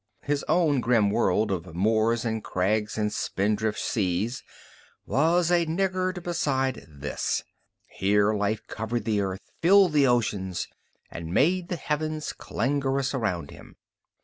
His own grim world of moors and crags and spin drift seas was a niggard beside this; here life covered the earth, filled the oceans, and made the heavens clangerous around him.